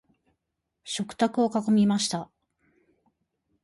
食卓を囲みました。